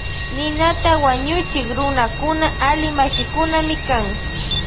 Ninata wañuchik runakuna alli mashikunami kan.